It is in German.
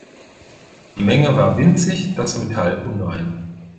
Die Menge war winzig, das Metall unrein.